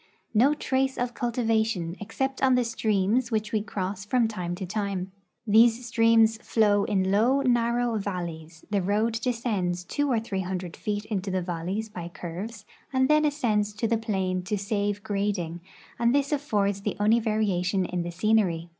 No trace of cul tivation, except on the streams which we cross from time to time. These streams flow in low, narrow valleys; the road descends two or three hundred feet into the valleys by curves, and then ascends to the plain to save grading, and this affords the only variation in tlie scenery."